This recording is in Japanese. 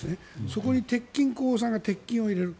そこに鉄筋工さんが鉄筋を入れる。